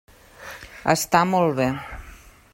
Està molt bé.